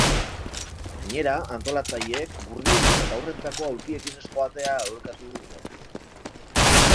Gainera, antolatzaileek gurdiekin eta haurrentzako aulkiekin ez joatea aholkatu dute.